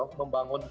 keberatannya kita ini